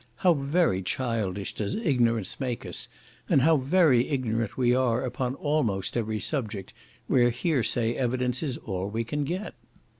How very childish does ignorance make us! and how very ignorant we are upon almost every subject, where hearsay evidence is all we can get!